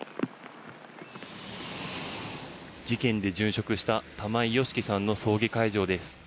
事件で殉職した玉井良樹さんの葬儀会場です。